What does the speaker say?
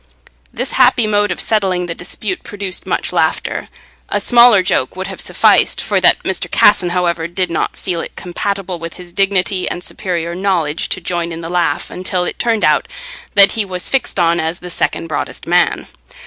This happy mode of settling the dispute produced much laughter—a smaller joke would have sufficed for that. Mr. Casson, however, did not feel it compatible with his dignity and superior knowledge to join in the laugh, until it turned out that he was fixed on as the second broadest man.